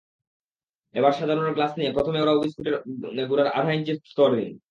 এবার সাজানোর গ্লাস নিয়ে প্রথমে ওরিও বিস্কুটের গুঁড়ার আধা ইঞ্চি স্তর দিন।